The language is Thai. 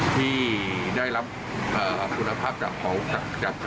ที่ได้รับคุณภาพจากฐานนอกแบบผมนะครับประสุทธิ์ด้วยครับ